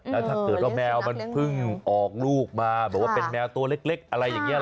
แล้วถ้าเกิดว่าแมวมันเพิ่งออกลูกมาแบบว่าเป็นแมวตัวเล็กอะไรอย่างนี้